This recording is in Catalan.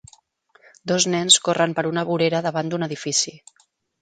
Dos nens corren per una vorera davant d'un edifici.